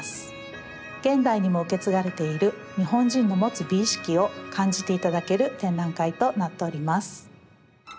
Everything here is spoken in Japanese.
現代にも受け継がれている日本人の持つ美意識を感じて頂ける展覧会となっております。